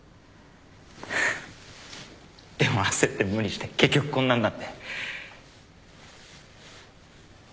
でも焦って無理して結局こんなんなって。